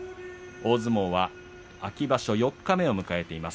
大相撲は秋場所四日目を迎えています。